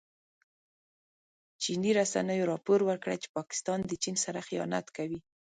چیني رسنیو راپور ورکړی چې پاکستان د چین سره خيانت کوي.